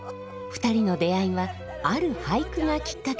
２人の出会いはある俳句がきっかけでした。